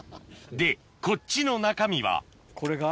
でこっちの中身はこれが。